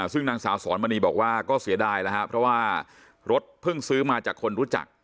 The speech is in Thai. ซึ่งนางสาวสอนมณีบอกว่าก็เสียดายแล้วครับเพราะว่ารถเพิ่งซื้อมาจากคนรู้จัก